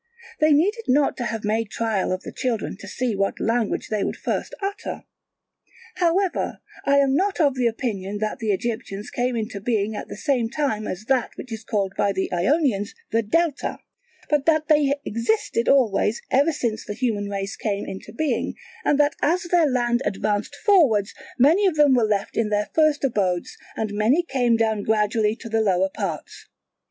They needed not to have made trial of the children to see what language they would first utter. However I am not of the opinion that the Egyptians came into being at the same time as that which is called by the Ionians the Delta, but that they existed always ever since the human race came into being, and that as their land advanced forwards, many of them were left in their first abodes and many came down gradually to the lower parts.